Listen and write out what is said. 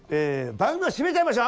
番組を締めちゃいましょう！